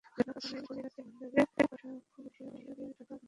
যেন পাতালে বলিরাজের ভাণ্ডারে কোষাধ্যক্ষ বসিয়া বসিয়া টাকা গণনা করিতেছে।